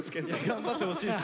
頑張ってほしいです